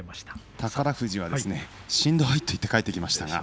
宝富士は、しんどいと言って帰ってきました。